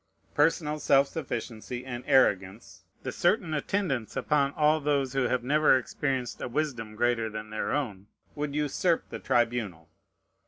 Personal self sufficiency and arrogance (the certain attendants upon all those who have never experienced a wisdom greater than their own) would usurp the tribunal.